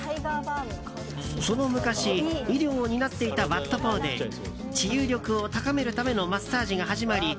その昔、医療を担っていたワット・ポーで治癒力を高めるためのマッサージが始まり